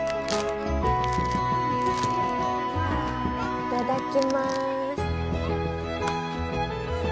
いただきまーす！